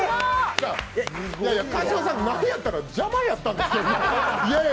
川島さん、なんやったら邪魔だったんですけど。